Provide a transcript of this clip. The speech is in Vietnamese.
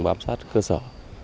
bám sát cơ sở